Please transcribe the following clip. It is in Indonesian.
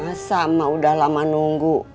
masa ma udah lama nunggu